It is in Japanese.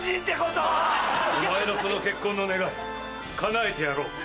お前のその結婚の願い叶えてやろう。